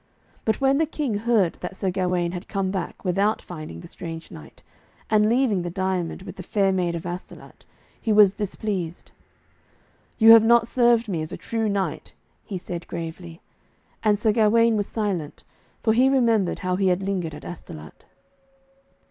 But when the King heard that Sir Gawaine had come back, without finding the strange knight, and leaving the diamond with the fair maid of Astolat, he was displeased. 'You have not served me as a true knight,' he said gravely; and Sir Gawaine was silent, for he remembered how he had lingered at Astolat.